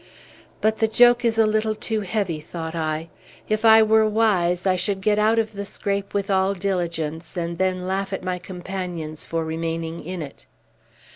"But the joke is a little too heavy," thought I. "If I were wise, I should get out of the scrape with all diligence, and then laugh at my companions for remaining in it."